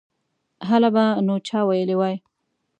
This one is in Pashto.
هله به نو چا ویلي وای.